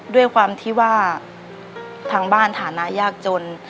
ด้วยความที่ว่าทางบ้านฐานะยากจน